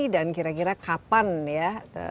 dan kira kira kapan ya